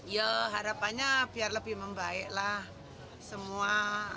ya harapannya biar lebih membaiklah semua